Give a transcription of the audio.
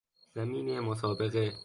زمین مسابقه